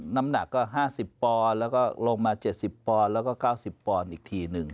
น้ำหนักก็๕๐บอลแล้วก็ลงมา๗๐บอลแล้วก็๙๐บอลอีกทีหนึ่ง